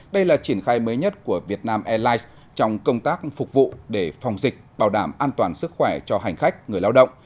đây là triển khai mới nhất của việt nam airlines trong công tác phục vụ để phòng dịch bảo đảm an toàn sức khỏe cho hành khách người lao động